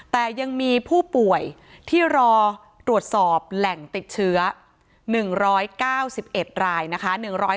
แต่ยังมีผู้ป่วยที่รอตรวจสอบแหล่งติดเชื้อ๑๙๑รายนะคะ